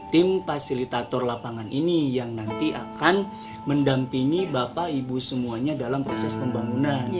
tim fasilitator lapangan ini yang nanti akan mendampingi bapak ibu semuanya dalam proses pembangunan